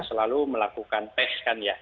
selalu melakukan tes kan ya